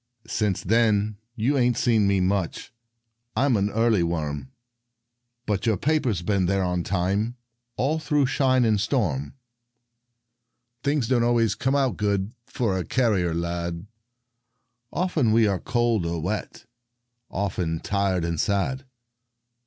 Since then you ain't seen me much ; I'm an early worm. But your paper's been on time All through shine and storm. Things don't always come too good For a carrier lad. Often we are cold or wet, Often tired and sad.